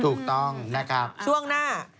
ถูกต้องนะครับช่วงหน้า